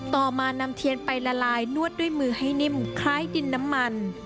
ต่อมานำเทียนไปละลายนวดด้วยมือให้นิ่มคล้ายดินน้ำมัน